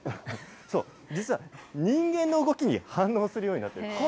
そう、実は人間の動きに反応するようになっている。